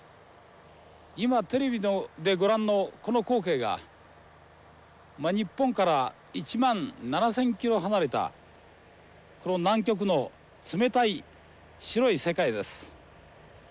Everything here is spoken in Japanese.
今テレビでご覧のこの光景が日本から１万７，０００ｋｍ離れたこの南極の冷たい白い世界です。